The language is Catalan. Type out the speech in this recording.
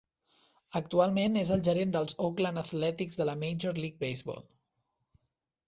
Actualment és el gerent dels Oakland Athletics de la "Major League Baseball".